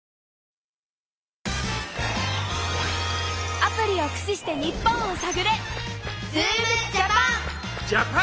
アプリをくしして日本をさぐれ！